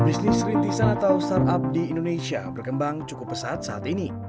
bisnis rintisan atau startup di indonesia berkembang cukup pesat saat ini